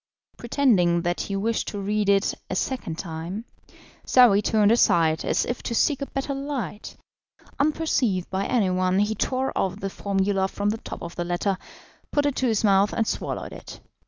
Pretending that he wished to read it a second time, Saouy turned aside as if to seek a better light; unperceived by anyone he tore off the formula from the top of the letter, put it to his mouth, and swallowed it.